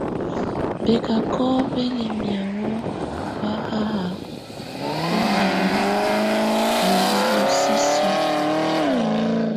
Bɛcacɔ bɛ lɛ mianŋɔ ba haha ɔmana nulilə sisi.